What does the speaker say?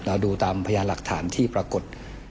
ดูตามพยานหลักฐานที่ปรากฏ